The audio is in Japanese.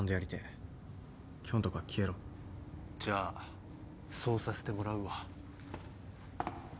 じゃあそうさせてもらうわ。